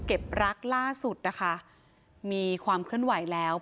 รักล่าสุดนะคะมีความเคลื่อนไหวแล้ว